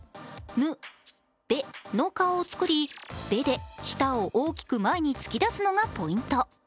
「ぬ」「べ」の顔を作り「べ」で舌を前に大きく突き出すのがポイント。